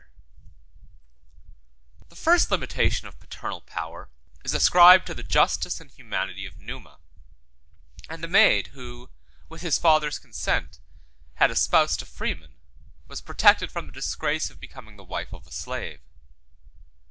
] The first limitation of paternal power is ascribed to the justice and humanity of Numa; and the maid who, with his father's consent, had espoused a freeman, was protected from the disgrace of becoming the wife of a slave.